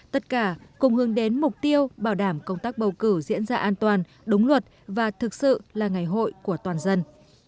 tất cả cùng hướng đến mục tiêu bảo đảm công tác bầu cử diễn ra an toàn đúng luật và thực sự là ngày hội của toàn dân